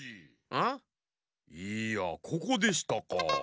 いやここでしたか。